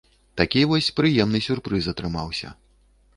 Такі вось прыемны сюрпрыз атрымаўся.